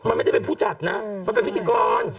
มันไม่ได้เป็นผู้จัดนะมันเป็นพิธีกร